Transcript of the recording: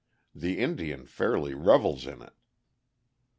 The Indian fairly revels in it.